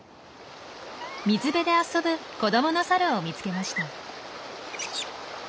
水辺で遊ぶ子どものサルを見つけました。